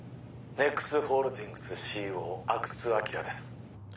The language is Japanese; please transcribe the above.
ＮＥＸホールディングスＣＥＯ阿久津晃です